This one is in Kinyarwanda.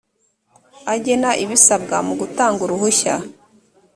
agena ibisabwa mu gutanga uruhushya